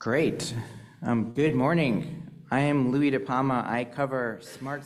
Great. Good morning. I am Louie DiPalma. I cover Smart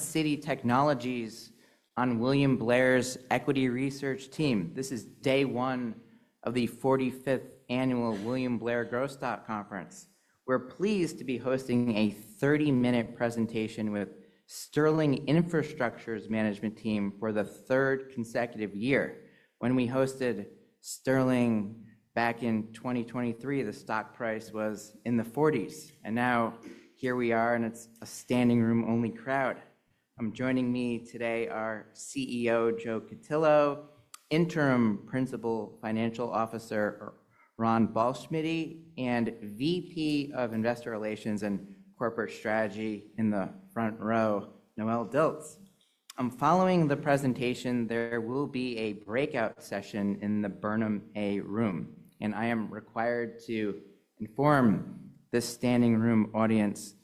City Technologies on William Blair's Equity Research Team. This is day one of the 45th Annual William Blair Growth Stock Conference. We're pleased to be hosting a 30-minute presentation with Sterling Infrastructure's management team for the third consecutive year. When we hosted Sterling back in 2023, the stock price was in the 40s. Now here we are, and it's a standing room-only crowd. Joining me today are CEO Joe Cutillo, Interim Principal Financial Officer Ron Ballschmiede, and VP of Investor Relations and Corporate Strategy in the front row, Noelle Dilts. Following the presentation, there will be a breakout session in the Burnham A Room. I am required to inform the standing room audience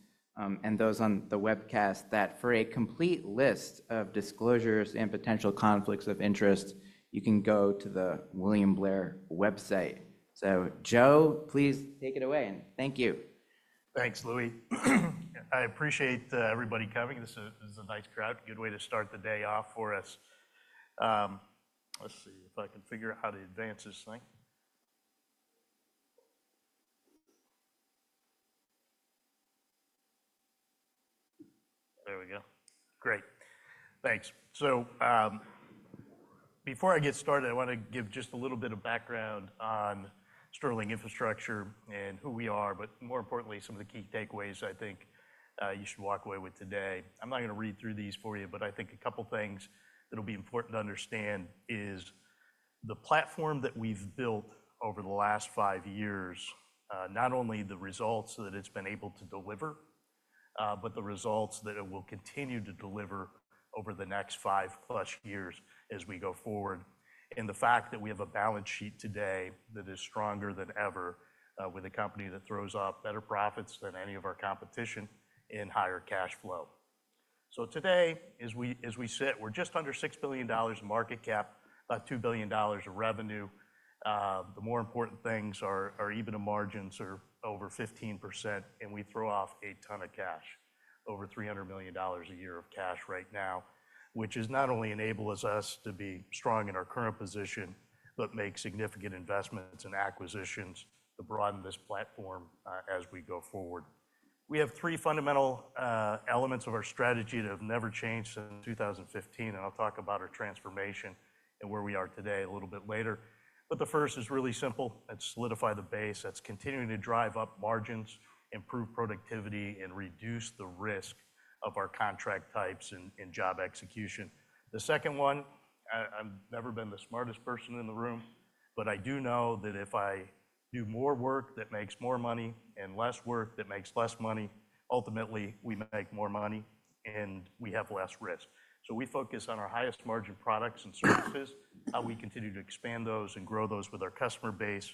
and those on the webcast that for a complete list of disclosures and potential conflicts of interest, you can go to the William Blair website. Joe, please take it away. Thank you. Thanks, Louie. I appreciate everybody coming. This is a nice crowd. Good way to start the day off for us. Let's see if I can figure out how to advance this thing. There we go. Great. Thanks. Before I get started, I want to give just a little bit of background on Sterling Infrastructure and who we are, but more importantly, some of the key takeaways I think you should walk away with today. I'm not going to read through these for you, but I think a couple of things that will be important to understand is the platform that we've built over the last five years, not only the results that it's been able to deliver, but the results that it will continue to deliver over the next five-plus years as we go forward, and the fact that we have a balance sheet today that is stronger than ever with a company that throws off better profits than any of our competition in higher cash flow. Today, as we sit, we're just under $6 billion market cap, about $2 billion of revenue. The more important things are even a margin sort of over 15%, and we throw off a ton of cash, over $300 million a year of cash right now, which not only enables us to be strong in our current position, but makes significant investments and acquisitions to broaden this platform as we go forward. We have three fundamental elements of our strategy that have never changed since 2015, and I'll talk about our transformation and where we are today a little bit later. The first is really simple. It's solidify the base. That's continuing to drive up margins, improve productivity, and reduce the risk of our contract types and job execution. The second one, I've never been the smartest person in the room, but I do know that if I do more work that makes more money and less work that makes less money, ultimately we make more money and we have less risk. We focus on our highest margin products and services, how we continue to expand those and grow those with our customer base.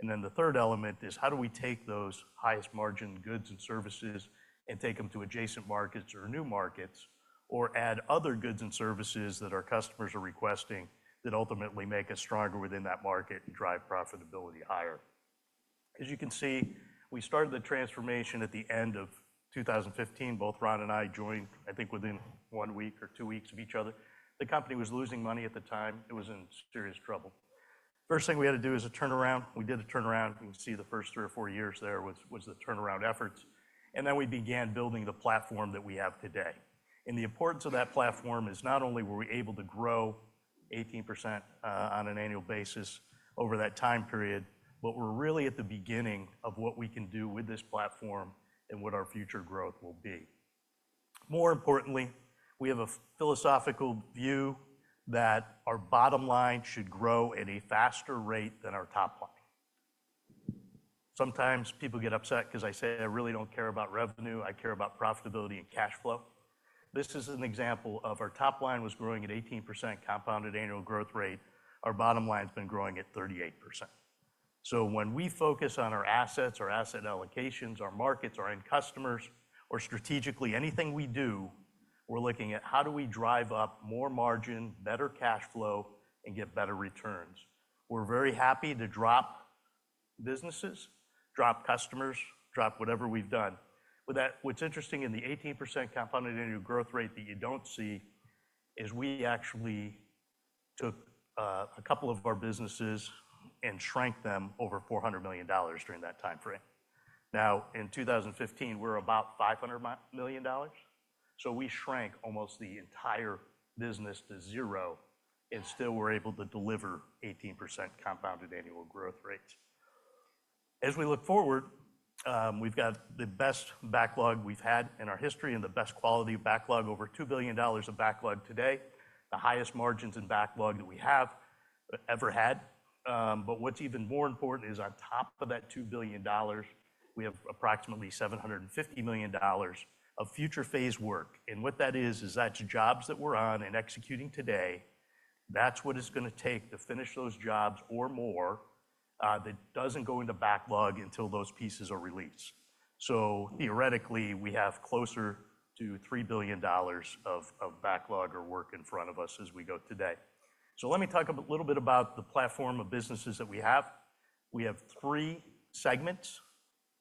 The third element is how do we take those highest margin goods and services and take them to adjacent markets or new markets or add other goods and services that our customers are requesting that ultimately make us stronger within that market and drive profitability higher. As you can see, we started the transformation at the end of 2015. Both Ron and I joined, I think, within one week or two weeks of each other. The company was losing money at the time. It was in serious trouble. First thing we had to do is a turnaround. We did a turnaround. You can see the first three or four years there was the turnaround efforts. We began building the platform that we have today. The importance of that platform is not only were we able to grow 18% on an annual basis over that time period, but we're really at the beginning of what we can do with this platform and what our future growth will be. More importantly, we have a philosophical view that our bottom line should grow at a faster rate than our top line. Sometimes people get upset because I say I really do not care about revenue. I care about profitability and cash flow. This is an example of our top line was growing at 18% compounded annual growth rate. Our bottom line has been growing at 38%. When we focus on our assets, our asset allocations, our markets, our end customers, or strategically anything we do, we're looking at how do we drive up more margin, better cash flow, and get better returns. We're very happy to drop businesses, drop customers, drop whatever we've done. What's interesting in the 18% compounded annual growth rate that you don't see is we actually took a couple of our businesses and shrank them over $400 million during that time frame. Now, in 2015, we're about $500 million. We shrank almost the entire business to zero and still were able to deliver 18% compounded annual growth rates. As we look forward, we've got the best backlog we've had in our history and the best quality backlog, over $2 billion of backlog today, the highest margins in backlog that we have ever had. What's even more important is on top of that $2 billion, we have approximately $750 million of future phase work. What that is, is that's jobs that we're on and executing today. That's what it's going to take to finish those jobs or more that doesn't go into backlog until those pieces are released. Theoretically, we have closer to $3 billion of backlog or work in front of us as we go today. Let me talk a little bit about the platform of businesses that we have. We have three segments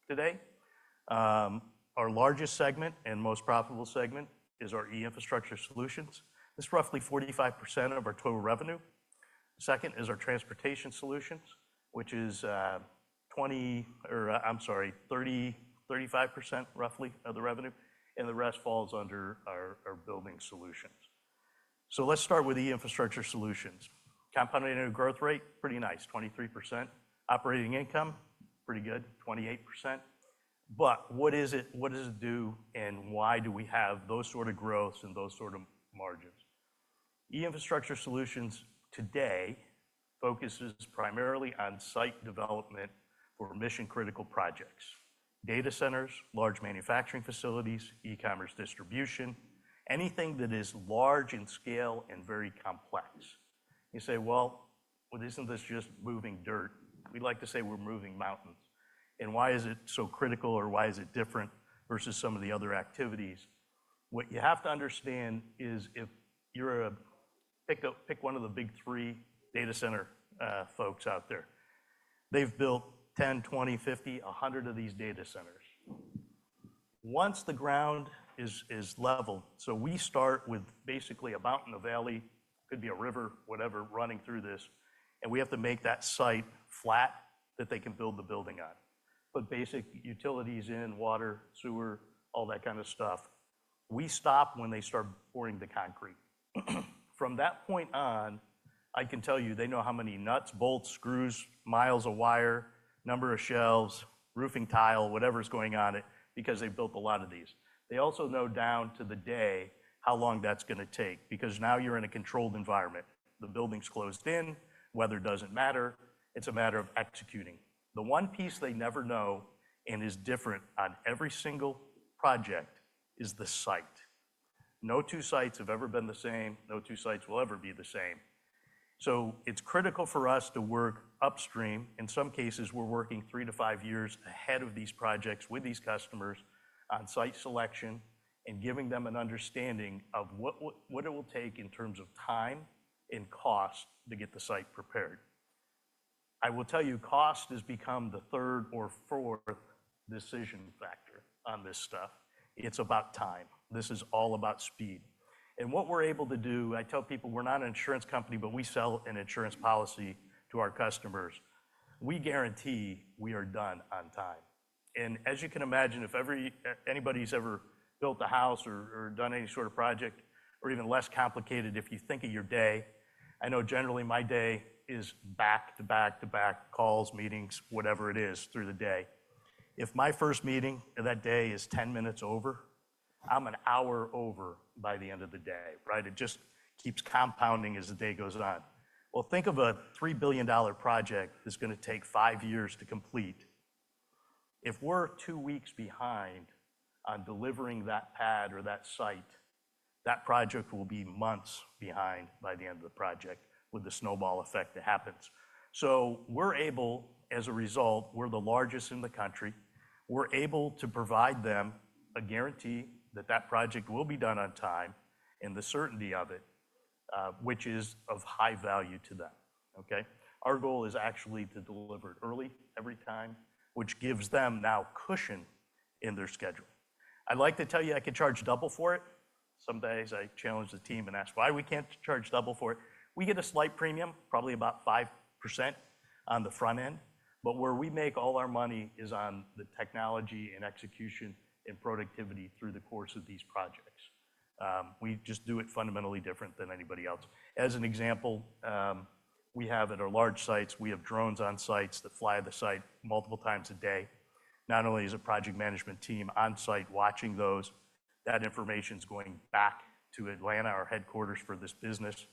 today. Our largest segment and most profitable segment is our e-infrastructure solutions. That's roughly 45% of our total revenue. Second is our transportation solutions, which is 30%-35% roughly of the revenue. And the rest falls under our building solutions. Let's start with e-infrastructure solutions. Compounded annual growth rate, pretty nice, 23%. Operating income, pretty good, 28%. But what is it? What does it do? And why do we have those sort of growths and those sort of margins? E-infrastructure solutions today focuses primarily on site development for mission-critical projects, data centers, large manufacturing facilities, e-commerce distribution, anything that is large in scale and very complex. You say, well, isn't this just moving dirt? We like to say we're moving mountains. And why is it so critical or why is it different versus some of the other activities? What you have to understand is if you're a pick one of the big three data center folks out there, they've built 10, 20, 50, 100 of these data centers. Once the ground is level, we start with basically a mountain in a valley, could be a river, whatever, running through this, and we have to make that site flat that they can build the building on. Put basic utilities in, water, sewer, all that kind of stuff, we stop when they start pouring the concrete. From that point on, I can tell you they know how many nuts, bolts, screws, miles of wire, number of shelves, roofing tile, whatever's going on it, because they've built a lot of these. They also know down to the day how long that's going to take because now you're in a controlled environment. The building's closed in. Weather doesn't matter. It's a matter of executing. The one piece they never know and is different on every single project is the site. No two sites have ever been the same. No two sites will ever be the same. It is critical for us to work upstream. In some cases, we're working three to five years ahead of these projects with these customers on site selection and giving them an understanding of what it will take in terms of time and cost to get the site prepared. I will tell you cost has become the third or fourth decision factor on this stuff. It is about time. This is all about speed. What we're able to do, I tell people we're not an insurance company, but we sell an insurance policy to our customers. We guarantee we are done on time. As you can imagine, if anybody's ever built a house or done any sort of project, or even less complicated, if you think of your day, I know generally my day is back to back to back calls, meetings, whatever it is through the day. If my first meeting that day is 10 minutes over, I'm an hour over by the end of the day, right? It just keeps compounding as the day goes on. Think of a $3 billion project that's going to take five years to complete. If we're two weeks behind on delivering that pad or that site, that project will be months behind by the end of the project with the snowball effect that happens. As a result, we're the largest in the country. We're able to provide them a guarantee that that project will be done on time and the certainty of it, which is of high value to them. Okay? Our goal is actually to deliver it early every time, which gives them now cushion in their schedule. I'd like to tell you I can charge double for it. Some days I challenge the team and ask why we can't charge double for it. We get a slight premium, probably about 5% on the front end. But where we make all our money is on the technology and executio,n and productivity through the course of these projects. We just do it fundamentally different than anybody else. As an example, we have at our large sites, we have drones on sites that fly the site multiple times a day. Not only is a project management team on site watching those, that information's going back to Atlanta, our headquarters for this business.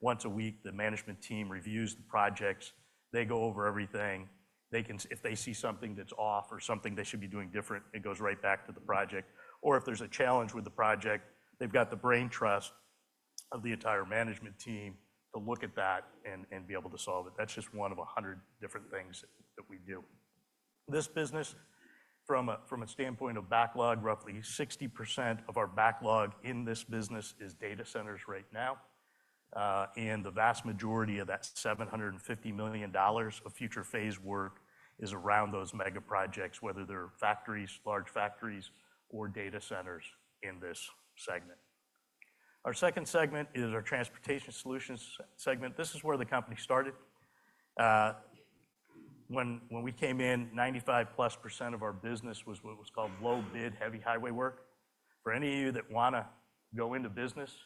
Once a week, the management team reviews the projects. They go over everything. If they see something that's off or something they should be doing different, it goes right back to the project. If there's a challenge with the project, they've got the brain trust of the entire management team to look at that and be able to solve it. That's just one of 100 different things that we do. This business, from a standpoint of backlog, roughly 60% of our backlog in this business is data centers right now. The vast majority of that $750 million of future phase work is around those mega projects, whether they're factories, large factories, or data centers in this segment. Our second segment is our transportation solutions segment. This is where the company started. When we came in, 95+% of our business was what was called low-bid, heavy highway work. For any of you that want to go into business,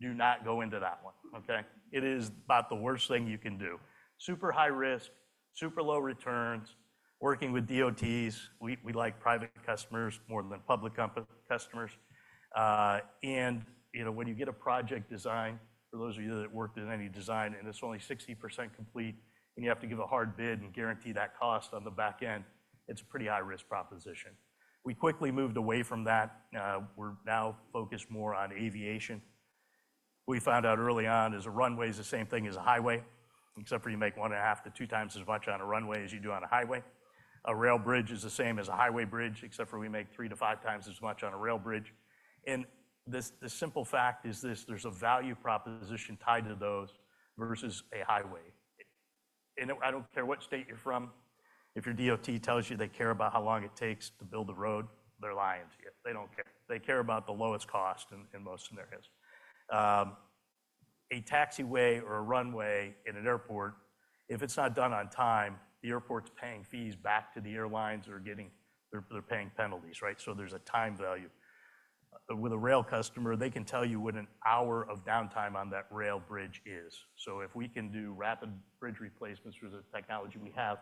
do not go into that one. Okay? It is about the worst thing you can do. Super high risk, super low returns. Working with DOTs, we like private customers more than public customers. When you get a project design, for those of you that worked in any design and it is only 60% complete, and you have to give a hard bid and guarantee that cost on the back end, it is a pretty high-risk proposition. We quickly moved away from that. We are now focused more on aviation. We found out early on is a runway is the same thing as a highway, except for you make one and a half to two times as much on a runway as you do on a highway. A rail bridge is the same as a highway bridge, except for we make three to five times as much on a rail bridge. The simple fact is this. There's a value proposition tied to those versus a highway. I don't care what state you're from. If your DOT tells you they care about how long it takes to build a road, they're lying to you. They don't care. They care about the lowest cost in most scenarios. A taxiway or a runway in an airport, if it's not done on time, the airport's paying fees back to the airlines or they're paying penalties, right? There's a time value. With a rail customer, they can tell you what an hour of downtime on that rail bridge is. If we can do rapid bridge replacements with the technology we have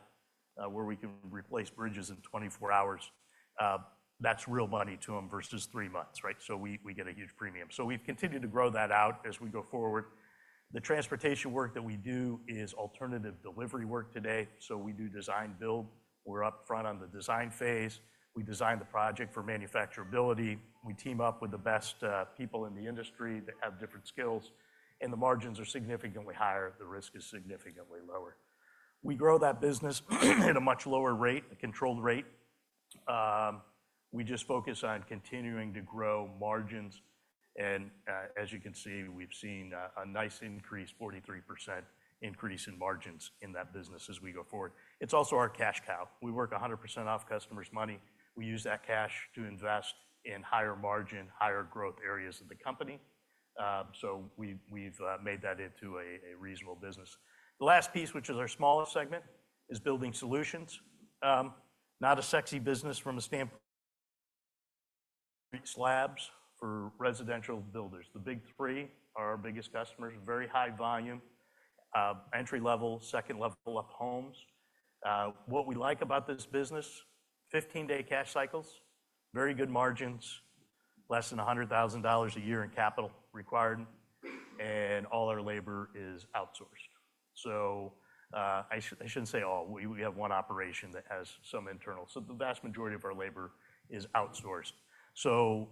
where we can replace bridges in 24 hours, that is real money to them versus three months, right? We get a huge premium. We have continued to grow that out as we go forward. The transportation work that we do is alternative delivery work today. We do design-build. We are upfront on the design phase. We design the project for manufacturability. We team up with the best people in the industry that have different skills. The margins are significantly higher. The risk is significantly lower. We grow that business at a much lower rate, a controlled rate. We just focus on continuing to grow margins. As you can see, we've seen a nice increase, 43% increase in margins in that business as we go forward. It's also our cash cow. We work 100% off customers' money. We use that cash to invest in higher margin, higher growth areas of the company. We've made that into a reasonable business. The last piece, which is our smallest segment, is building solutions. Not a sexy business from a standpoint. Slabs for residential builders. The big three are our biggest customers. Very high volume, entry-level, second-level up homes. What we like about this business, 15-day cash cycles, very good margins, less than $100,000 a year in capital required. All our labor is outsourced. I shouldn't say all. We have one operation that has some internal. The vast majority of our labor is outsourced.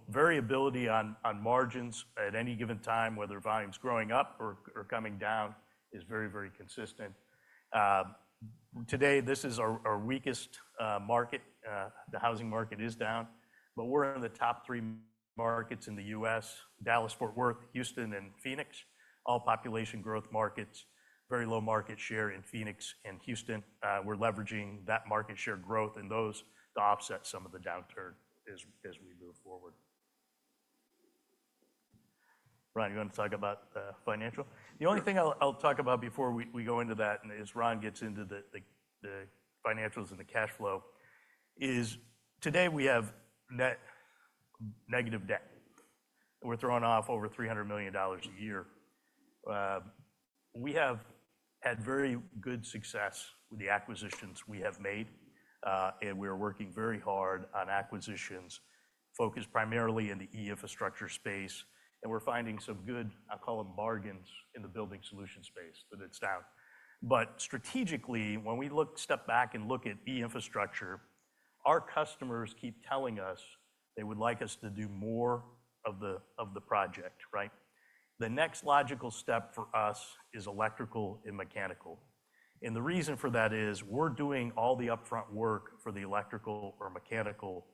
Variability on margins at any given time, whether volume's going up or coming down, is very, very consistent. Today, this is our weakest market. The housing market is down. We're in the top three markets in the U.S., Dallas, Fort Worth, Houston, and Phoenix, all population growth markets. Very low market share in Phoenix and Houston. We're leveraging that market share growth in those to offset some of the downturn as we move forward. Ron, you want to talk about financial? The only thing I'll talk about before we go into that, and as Ron gets into the financials and the cash flow, is today we have negative debt. We're throwing off over $300 million a year. We have had very good success with the acquisitions we have made. We're working very hard on acquisitions focused primarily in the e-infrastructure space. We're finding some good, I'll call them bargains in the building solution space that it's down. Strategically, when we step back and look at e-infrastructure, our customers keep telling us they would like us to do more of the project, right? The next logical step for us is electrical and mechanical. The reason for that is we're doing all the upfront work for the electrical or mechanical,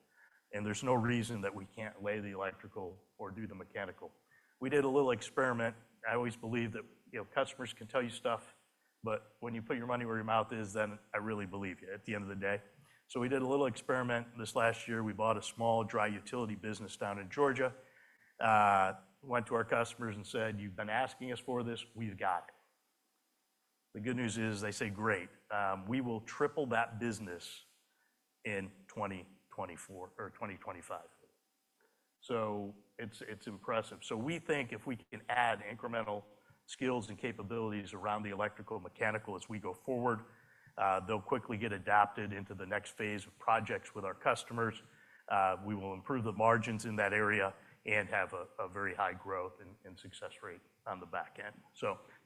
and there's no reason that we can't lay the electrical or do the mechanical. We did a little experiment. I always believe that customers can tell you stuff, but when you put your money where your mouth is, then I really believe you at the end of the day. We did a little experiment this last year. We bought a small dry utility business down in Georgia, went to our customers, and said, "You've been asking us for this. We've got it. The good news is they say, "Great. We will triple that business in 2024 or 2025." It is impressive. We think if we can add incremental skills and capabilities around the electrical and mechanical as we go forward, they will quickly get adapted into the next phase of projects with our customers. We will improve the margins in that area and have a very high growth and success rate on the back end.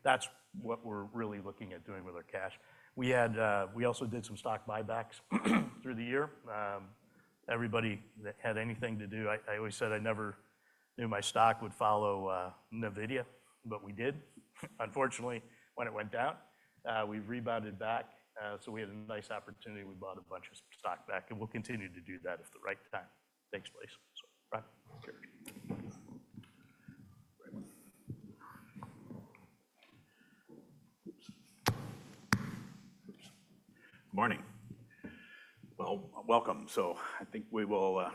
That is what we are really looking at doing with our cash. We also did some stock buybacks through the year. Everybody that had anything to do, I always said I never knew my stock would follow NVIDIA, but we did. Unfortunately, when it went down, we rebounded back. We had a nice opportunity. We bought a bunch of stock back. We will continue to do that at the right time. Thanks, place. Good morning. Welcome. I think we will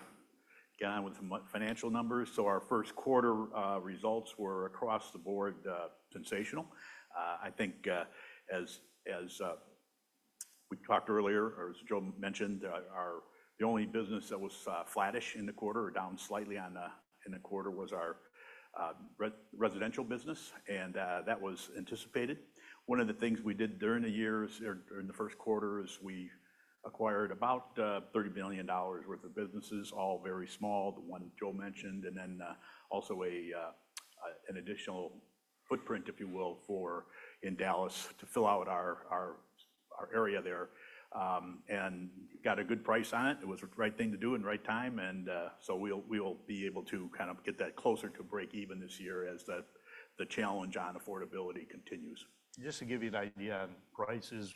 get on with some financial numbers. Our first quarter results were across the board sensational. I think as we talked earlier, or as Joe mentioned, the only business that was flattish in the quarter or down slightly in the quarter was our residential business. That was anticipated. One of the things we did during the year or during the first quarter is we acquired about $30 million worth of businesses, all very small, the one Joe mentioned, and then also an additional footprint, if you will, in Dallas to fill out our area there and got a good price on it. It was the right thing to do at the right time. We will be able to kind of get that closer to break even this year as the challenge on affordability continues. Just to give you an idea on prices,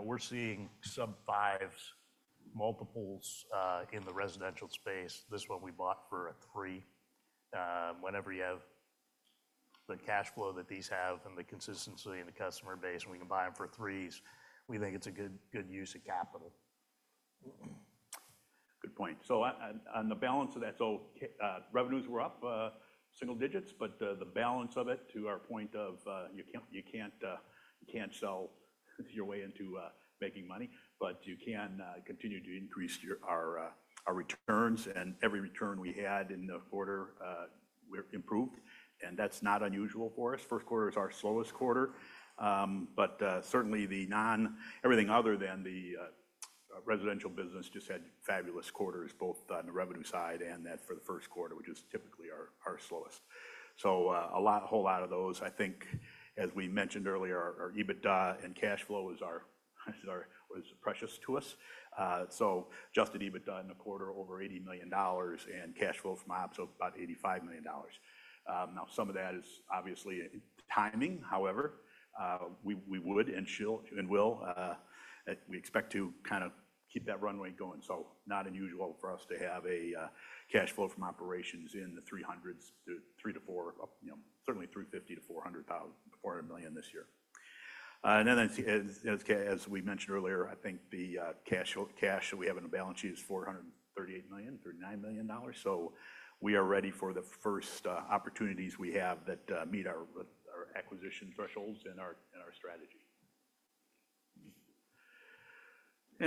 we're seeing sub-fives, multiples in the residential space. This one we bought for a three. Whenever you have the cash flow that these have and the consistency in the customer base, and we can buy them for threes, we think it's a good use of capital. Good point. On the balance of that, revenues were up single digits, but the balance of it to our point of you can't sell your way into making money, but you can continue to increase our returns. Every return we had in the quarter improved. That's not unusual for us. First quarter is our slowest quarter. Certainly everything other than the residential business just had fabulous quarters, both on the revenue side and that for the first quarter, which is typically our slowest. A whole lot of those. I think, as we mentioned earlier, our EBITDA and cash flow was precious to us. Just at EBITDA in the quarter, over $80 million and cash flow from ops of about $85 million. Now, some of that is obviously timing. However, we would and will. We expect to kind of keep that runway going. Not unusual for us to have a cash flow from operations in the $300 million-$400 million range, certainly $350 million-$400 million this year. As we mentioned earlier, I think the cash that we have in the balance sheet is $438 million, $439 million. We are ready for the first opportunities we have that meet our acquisition thresholds and our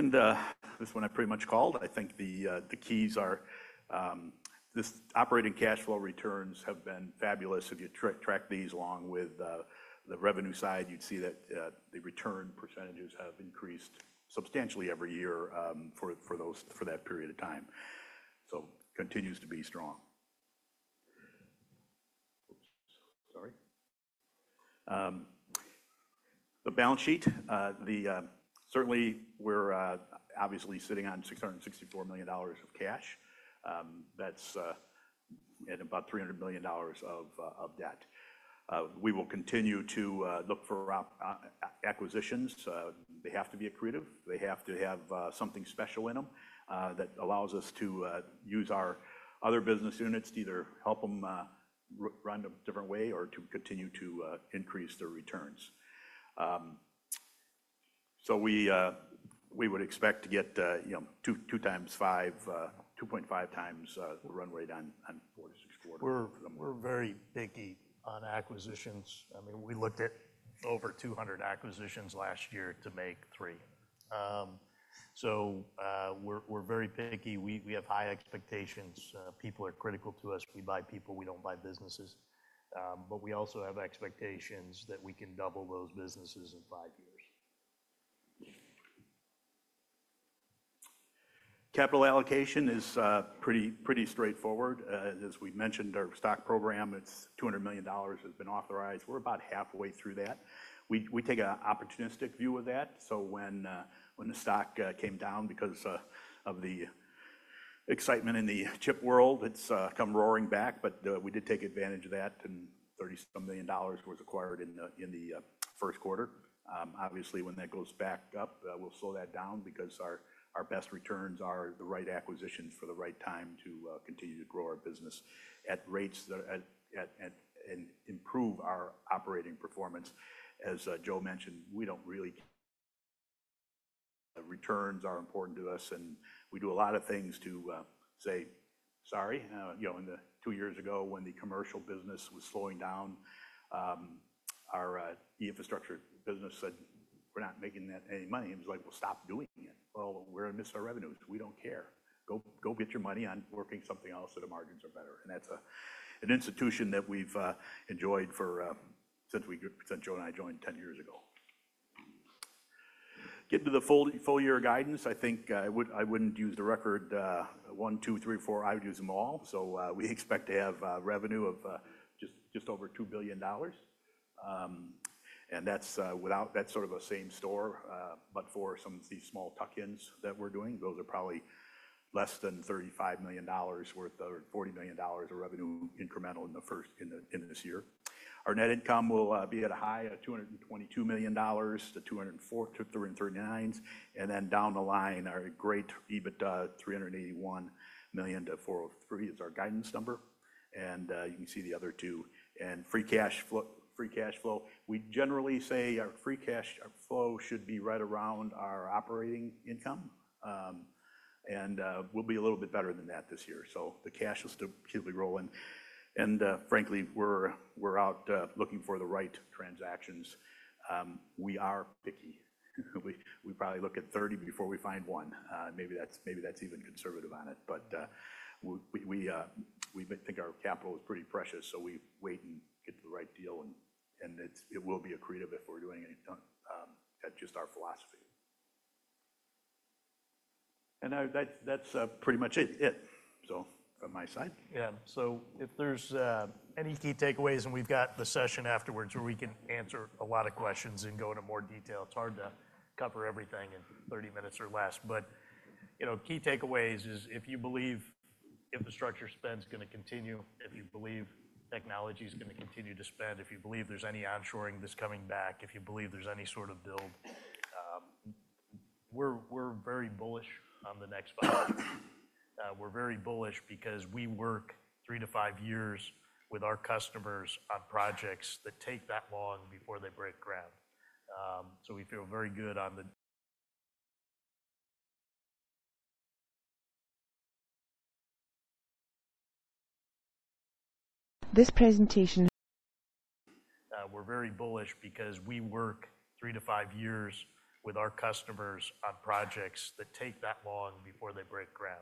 strategy. This one I pretty much called. I think the keys are this operating cash flow returns have been fabulous. If you track these along with the revenue side, you'd see that the return percentages have increased substantially every year for that period of time. Continues to be strong. Sorry. The balance sheet, certainly we're obviously sitting on $664 million of cash. That's at about $300 million of debt. We will continue to look for acquisitions. They have to be accretive. They have to have something special in them that allows us to use our other business units to either help them run a different way or to continue to increase their returns. We would expect to get 2.5 times the runway done on 464. We're very picky on acquisitions. I mean, we looked at over 200 acquisitions last year to make three. We're very picky. We have high expectations. People are critical to us. We buy people. We don't buy businesses. We also have expectations that we can double those businesses in five years. Capital allocation is pretty straightforward. As we mentioned, our stock program, it's $200 million has been authorized. We're about halfway through that. We take an opportunistic view of that. When the stock came down because of the excitement in the chip world, it's come roaring back. We did take advantage of that and $30-some million was acquired in the first quarter. Obviously, when that goes back up, we'll slow that down because our best returns are the right acquisitions for the right time to continue to grow our business at rates that improve our operating performance. As Joe mentioned, we don't really care about returns. Returns are important to us. We do a lot of things to say, "Sorry." Two years ag,o when the commercial business was slowing down, our e-infrastructure business said, "We're not making that any money." It was like, "We'll stop doing it." We are going to miss our revenues. We do not care. Go get your money on working something else that our margins are better. That is an institution that we have enjoyed since Joe and I joined 10 years ago. Getting to the full year guidance, I think I would not use the record one, two, three, four. I would use them all. We expect to have revenue of just over $2 billion. That is sort of a same store, but for some of these small tuck-ins that we are doing, those are probably less than $35 million worth or $40 million of revenue incremental in this year. Our net income will be at a high of $222 million-$239 million. Down the line, our great EBITDA $381 million-$403 million is our guidance number. You can see the other two. Free cash flow, we generally say our free cash flow should be right around our operating income. We will be a little bit better than that this year. The cash will still keep rolling. Frankly, we are out looking for the right transactions. We are picky. We probably look at 30 before we find one. Maybe that is even conservative on it. We think our capital is pretty precious. We wait and get the right deal. It will be accretive if we are doing it at just our philosophy. That is pretty much it from my side. Yeah. If there's any key takeaways and we've got the session afterwards where we can answer a lot of questions and go into more detail, it's hard to cover everything in 30 minutes or less. Key takeaways is if you believe infrastructure spend is going to continue, if you believe technology is going to continue to spend, if you believe there's any onshoring that's coming back, if you believe there's any sort of build, we're very bullish on the next five. We're very bullish because we work three to five years with our customers on projects that take that long before they break ground. We feel very good on this presentation. We're very bullish because we work three to five years with our customers on projects that take that long before they break ground.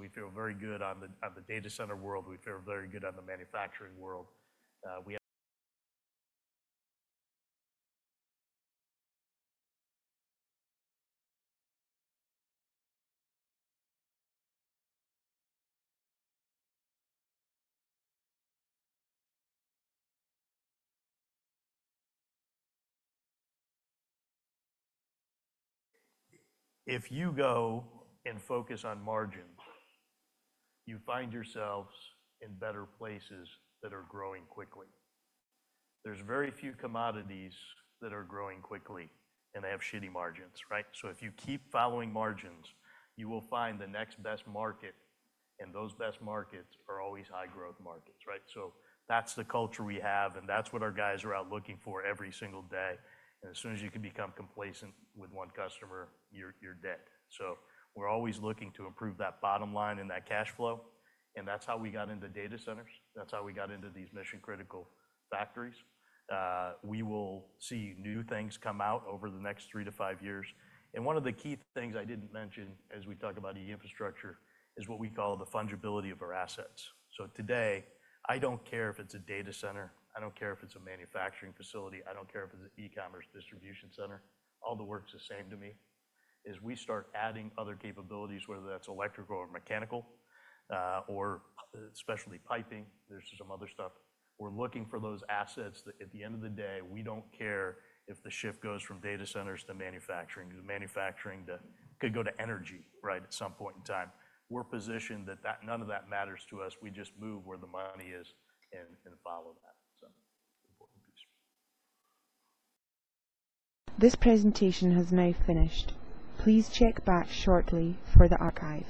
We feel very good on the data center world. We feel very good on the manufacturing world. If you go and focus on margins, you find yourselves in better places that are growing quickly. There are very few commodities that are growing quickly, and they have shitty margins, right? If you keep following margins, you will find the next best market. Those best markets are always high-growth markets, right? That is the culture we have. That is what our guys are out looking for every single day. As soon as you can become complacent with one customer, you are dead. We are always looking to improve that bottom line and that cash flow. That is how we got into data centers. That is how we got into these mission-critical factories. We will see new things come out over the next three to five years. One of the key things I did not mention as we talk about e-infrastructure is what we call the fungibility of our assets. Today, I do not care if it is a data center. I do not care if it is a manufacturing facility. I do not care if it is an e-commerce distribution center. All the work is the same to me. As we start adding other capabilities, whether that is electrical or mechanical or specialty piping, there is some other stuff. We are looking for those assets that at the end of the day, we do not care if the ship goes from data centers to manufacturing because manufacturing could go to energy, right, at some point in time. We are positioned that none of that matters to us. We just move where the money is and follow that. This presentation has now finished. Please check back shortly for the archive.